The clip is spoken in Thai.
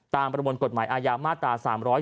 ประมวลกฎหมายอาญามาตรา๓๔